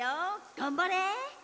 がんばれ！